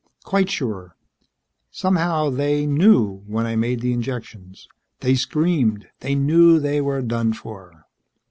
"Quite sure. Somehow they knew when I made the injections. They screamed. They knew they were done for."